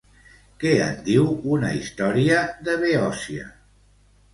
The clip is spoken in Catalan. Què en diu una història de Beòcia?